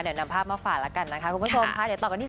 เดี๋ยวนำภาพมาฝ่าแล้วกันนะคะคุณผู้ชมค่ะ